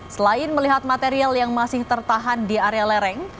selain melihat material yang masih tertahan di area lereng